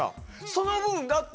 その分だって。